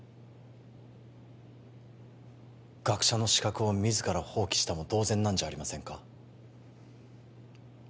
学者の資格を自ら放棄したも同然なんじゃありませんか？